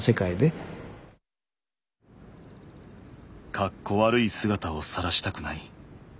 格好悪い姿をさらしたくない。